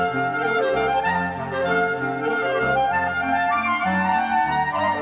สวัสดีครับสวัสดีครับ